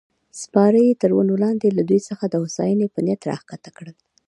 سپاره یې تر ونو لاندې له دوی څخه د هوساینې په نیت راکښته شول.